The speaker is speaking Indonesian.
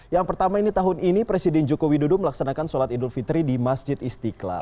yang pertama ini tahun ini presiden joko widodo melaksanakan sholat idul fitri di masjid istiqlal